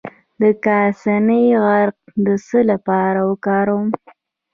د کاسني عرق د څه لپاره وکاروم؟